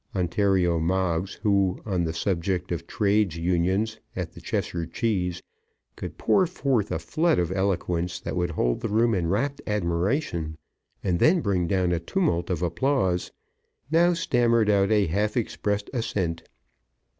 Ontario Moggs, who on the subject of Trades' Unions at the Cheshire Cheese could pour forth a flood of eloquence that would hold the room in rapt admiration, and then bring down a tumult of applause, now stammered out a half expressed assent.